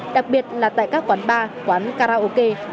đặc biệt là tại các quán bar quán karaoke